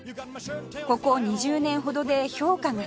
ここ２０年ほどで評価が高まり